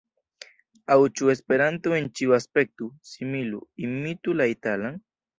Aŭ ĉu Esperanto en ĉio aspektu, similu, imitu la italan?